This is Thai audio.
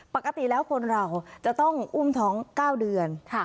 ปกติแล้วคนเราจะต้องอุ้มท้อง๙เดือน